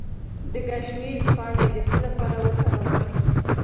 د ګشنیز پاڼې د څه لپاره وکاروم؟